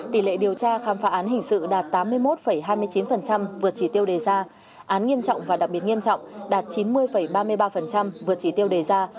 tỷ lệ điều tra khám phá án hình sự đạt tám mươi một hai mươi chín vượt chỉ tiêu đề ra án nghiêm trọng và đặc biệt nghiêm trọng đạt chín mươi ba mươi ba vượt chỉ tiêu đề ra